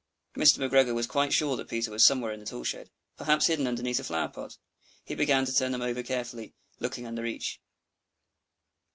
Mr. McGregor was quite sure that Peter was somewhere in the tool shed, perhaps hidden underneath a flower pot. He began to turn them over carefully, looking under each.